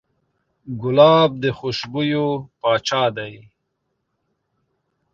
ګلاب د خوشبویو پاچا دی.